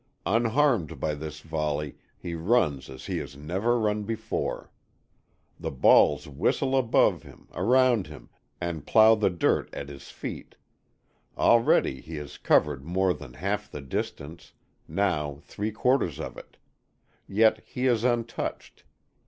Unharmed by this volley, he runs as he has never run before. The balls whistle above him, around him, and plow the dirt at his feet. Already he has covered more than half the distance, now three quarters of it. Yet he is untouched.